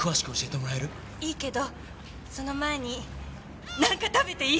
いいけどその前に何か食べていい？